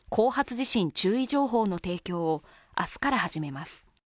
地震注意情報の提供を明日から始めます